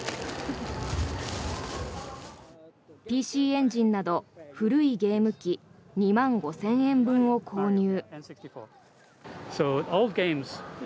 ＰＣエンジンなど古いゲーム機２万５０００円分を購入。